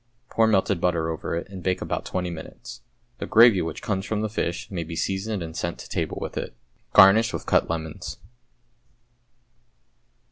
Pour melted butter over it, and bake about twenty minutes. The gravy which comes from the fish may be seasoned and sent to table with it. Garnish with cut lemons.